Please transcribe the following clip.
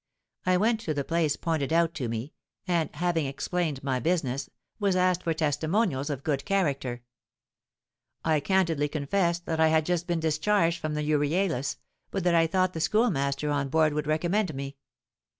I went to the place pointed out to me, and, having explained my business, was asked for testimonials of good character. I candidly confessed that I had just been discharged from the Euryalus, but that I thought the schoolmaster on board would recommend me.